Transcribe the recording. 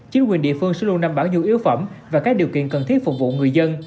chính quyền địa phương sẽ luôn đảm bảo nhu yếu phẩm và các điều kiện cần thiết phục vụ người dân